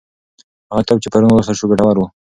هغه کتاب چې پرون ولوستل شو ګټور و.